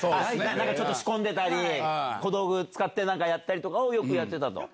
ちょっと仕込んでたり小道具使って何かやったりをよくやってたと。